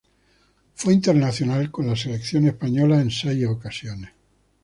Fue internacional con la selección española en seis ocasiones.